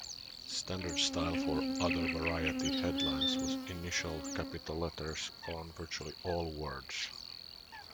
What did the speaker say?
Standard style for other "Variety" headlines was initial capital letters on virtually all words.